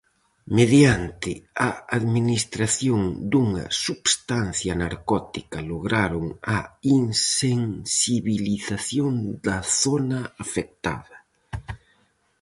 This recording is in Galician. Mediante a administración dunha substancia narcótica lograron a insensibilización da zona afectada.